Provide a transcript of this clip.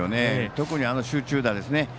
特に集中打ですね。